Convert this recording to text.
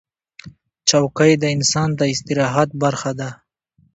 چوکۍ د انسان د استراحت برخه ده.